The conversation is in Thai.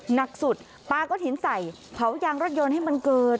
หนักสุดปลาก้อนหินใส่เผายางรถยนต์ให้มันเกิด